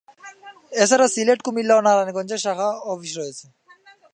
এছাড়া সিলেট, কুমিল্লা ও নারায়ণগঞ্জে শাখা অফিস রয়েছে।